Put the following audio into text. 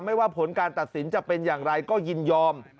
ว่าผลการตัดสินจะเป็นอย่างไรก็ยินยอม